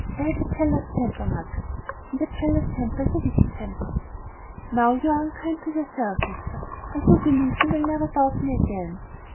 I have a jealous temper, Margaret; and a jealous temper is a wicked temper." "Now you are unkind to yourself, Hester. I do believe you will never doubt me again."